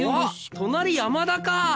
隣山田か！